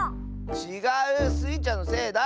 ちがう！スイちゃんのせいだ！